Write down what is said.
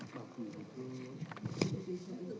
buat kami organisasi